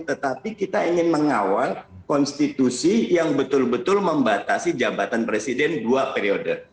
tetapi kita ingin mengawal konstitusi yang betul betul membatasi jabatan presiden dua periode